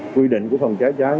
quy định của phòng cháy cháy